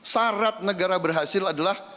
syarat negara berhasil adalah